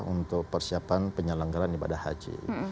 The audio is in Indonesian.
untuk persiapan penyelenggaran ibadah haji